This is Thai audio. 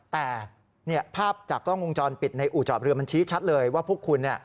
แต่ภาพจากกล้องวงจรปิดในอู่จอดเรือมันชี้ชัดเลยว่าพวกคุณ